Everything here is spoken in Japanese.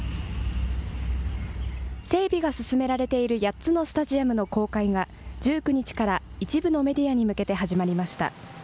整備が進められている８つのスタジアムの公開が１９日から一部のメディアに向けて始まりました。